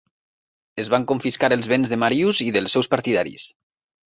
Es van confiscar els béns de Marius i dels seus partidaris.